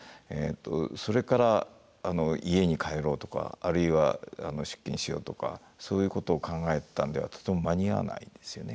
それから家に帰ろうとかあるいは出勤しようとかそういうことを考えたんではとても間に合わないですよね。